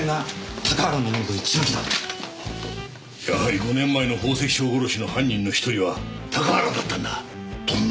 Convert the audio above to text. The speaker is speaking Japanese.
やはり５年前の宝石商殺しの犯人の１人は高原だったんだ！